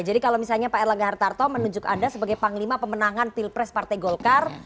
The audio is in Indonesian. jadi kalau misalnya pak erlangga hartarto menunjuk anda sebagai panglima pemenangan pilpres partai golkar